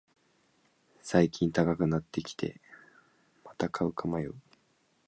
最近高くなってきて、また買うか迷う